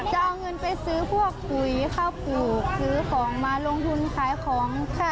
จะเอาเงินไปซื้อพวกปุ๋ยข้าวปลูกซื้อของมาลงทุนขายของค่ะ